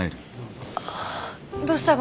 どうしたが？